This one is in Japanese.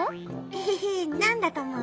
ヘヘへなんだとおもう？